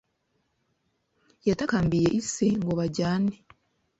yatakambiye ise ngo bajyane